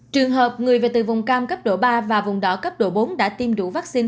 trường hợp người về từ vùng cam cấp độ ba và vùng đỏ cấp độ bốn đã tiêm đủ vaccine